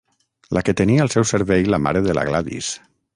La que tenia al seu servei la mare de la Gladys!